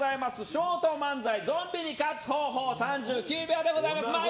ショート漫才、ゾンビに勝つ方法３９秒です。